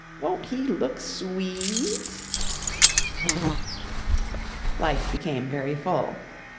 Won't he look swe e e et?" Life became very full.